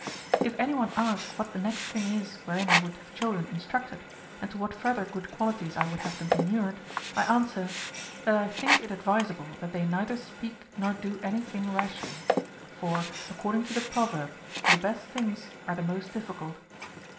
If any one ask what the next thing is wherein I ΛνοηΜ have children instructed, and to what further good qualities I would have them inured, I answer, that I think it advisa ble that they neither speak nor do any thing rashly ; for, according to the proverb, the best things are the most diflacult.